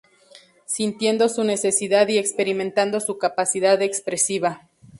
Sintiendo su necesidad y experimentando su capacidad expresiva.